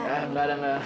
enggak enggak enggak